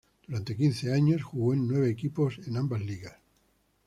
Durante quince años jugó en nueve equipos en ambas ligas.